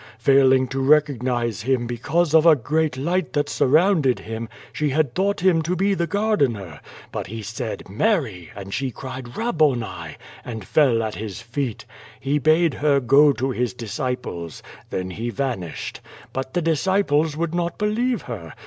Fail ing to recognize Him because of a great light that surrounded Him she had thought Him to be the gardener. But He said ^Mary,' and she cried ^Babboni' and fell at His feet. He bade her go to His disciples. Then He vanished. But the dis ciples would not believe her.